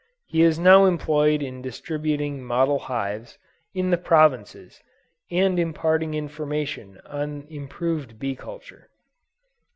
He is now employed in distributing model hives, in the provinces, and imparting information on improved bee culture.